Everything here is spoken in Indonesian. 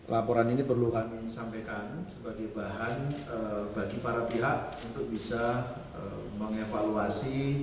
laporan ini perlu kami sampaikan sebagai bahan bagi para pihak untuk bisa mengevaluasi